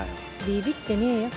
ビビってねえよ。